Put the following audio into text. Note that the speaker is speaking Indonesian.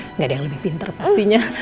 tidak ada yang lebih pinter pastinya